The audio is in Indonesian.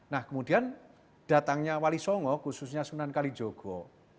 nah kemudian datangnya wali songo khususnya sunan kalijogo